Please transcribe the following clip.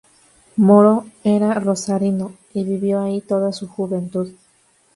Moro era rosarino, y vivió allí toda su juventud.